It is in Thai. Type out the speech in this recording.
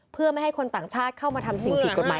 เพื่อไม่ให้คนต่างชาติเข้ามาทำสิ่งผิดกฎหมาย